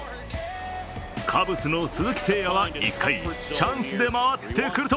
カブスの鈴木誠也は１回、チャンスで回ってくると、